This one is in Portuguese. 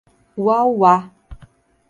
Uauá